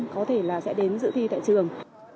có thể là sẽ đến giữ thi tại trường